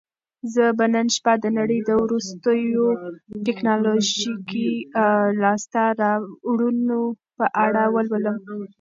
زه به نن شپه د نړۍ د وروستیو ټیکنالوژیکي لاسته راوړنو په اړه ولولم.